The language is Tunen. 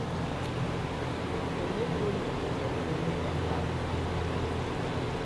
Á ná tùǝ́nǝ́ ù yɔ́kɔ yɛ́ ɛmbátɛ̀.